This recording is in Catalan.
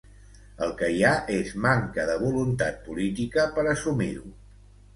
El que hi ha és manca de voluntat política per assumir-ho